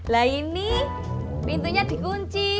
lah ini pintunya dikunci